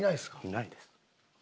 いないです。